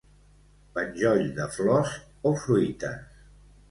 Penjoll de flors o fruites.